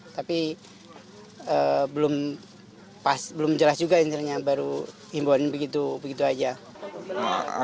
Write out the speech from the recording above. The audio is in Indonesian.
tapi belum jelas juga intinya baru himbawan begitu begitu saja